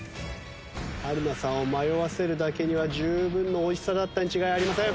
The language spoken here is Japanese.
春菜さんを迷わせるだけには十分の美味しさだったに違いありません。